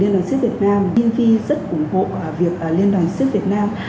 việc liên đoàn siếc việt nam